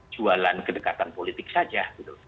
jualan kedekatan politik saja